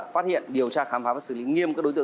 phát hiện điều tra khám phá và xử lý nghiêm các đối tượng